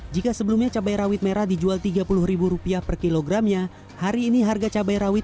jika sebelumnya cabai rawit merah dijual tiga puluh rupiah per kilogramnya hari ini harga cabai rawit